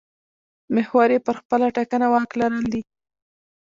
محور یې پر خپله ټاکنه واک لرل دي.